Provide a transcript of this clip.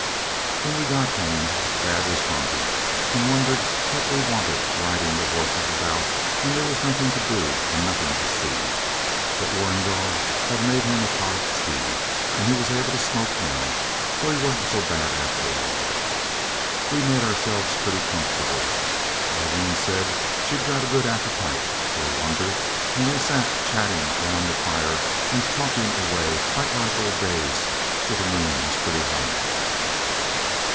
When we got home dad was grumpy, and wondered what we wanted riding the horses about when there was nothing to do and nothing to see. But Warrigal had made him a pot of tea, and he was able to smoke now; so he wasn't so bad after all. We made ourselves pretty comfortable Aileen said she'd got a good appetite, for a wonder and we sat chatting round the fire and talking away quite like old days till the moon was pretty high.